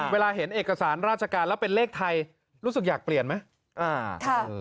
เวลาเห็นเอกสารราชการแล้วเป็นเลขไทยรู้สึกอยากเปลี่ยนไหม